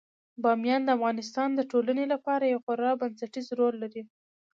بامیان د افغانستان د ټولنې لپاره یو خورا بنسټيز رول لري.